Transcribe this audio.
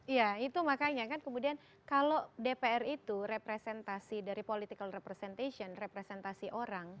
iya itu makanya kan kemudian kalau dpr itu representasi dari political representation representasi orang